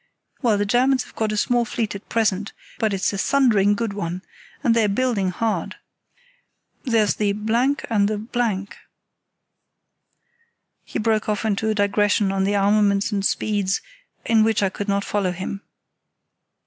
Well, the Germans have got a small fleet at present, but it's a thundering good one, and they're building hard. There's the——and the——." He broke off into a digression on armaments and speeds in which I could not follow him.